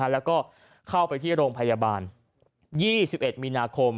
แล้วก็เข้าไปที่โรงพยาบาล๒๑มีนาคม